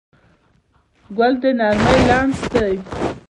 ګل د نرمۍ لمس دی.